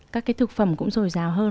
các cái thực phẩm cũng rồi rào hơn